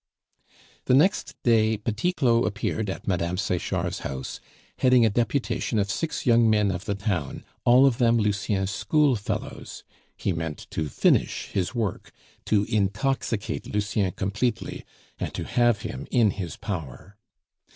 The next day Petit Claud appeared at Mme. Sechard's house, heading a deputation of six young men of the town, all of them Lucien's schoolfellows. He meant to finish his work, to intoxicate Lucien completely, and to have him in his power.